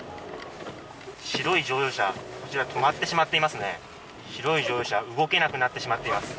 白い乗用車、こちら止まってしまっていますね。